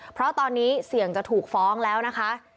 เพราะตอนนี้เสี่ยงจะถูกฟ้องแล้วนะคะ